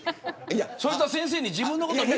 そいつは先生に自分のこと。